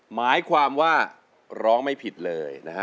หมายความว่าร้องไม่ผิดเลยนะฮะ